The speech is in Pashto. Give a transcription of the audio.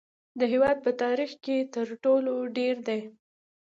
د هیواد په تاریخ کې تر ټولو ډیر دي